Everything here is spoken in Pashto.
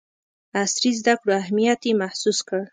عصري زدکړو اهمیت یې محسوس کړ.